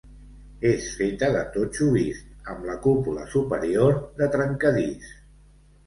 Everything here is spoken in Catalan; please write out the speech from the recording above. És feta de totxo vist, amb la cúpula superior de trencadís.